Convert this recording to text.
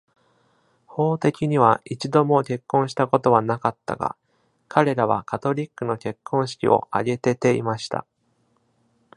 法的には一度も結婚したことはなかったが、彼らはカトリックの結婚式をあげてていました。